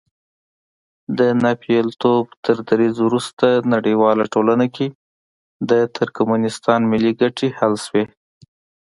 د ناپېیلتوب تر دریځ وروسته نړیواله ټولنه کې د ترکمنستان ملي ګټې حل شوې.